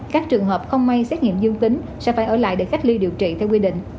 các trường hợp không may xét nghiệm dương tính sẽ phải ở lại để cách ly điều trị theo quy định